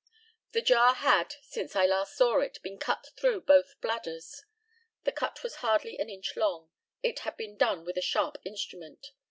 The jar had, since I last saw it, been cut through both bladders. The cut was hardly an inch long. It had been done with a sharp instrument.